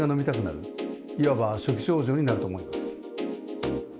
いわば初期症状になると思います。